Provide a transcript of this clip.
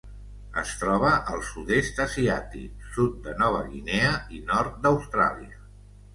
Es troba al Sud-est asiàtic, sud de Nova Guinea i nord d'Austràlia.